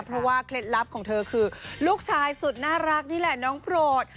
เพราะว่าเคล็ดลับของเธอคือลูกชายสุดน่ารักนี่แหละน้องโปรด